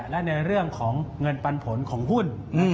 และในเรื่องของเงินปันผลของหุ้น